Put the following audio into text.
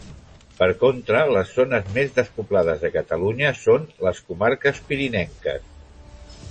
Per contra, les zones més despoblades de Catalunya són les comarques pirinenques.